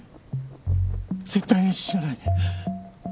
絶対に死なないで。